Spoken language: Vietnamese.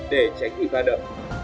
để tránh bị pha đậm